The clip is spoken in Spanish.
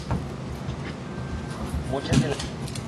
Muchas de las letras de sus piezas fueron escritas por su padre Giulio.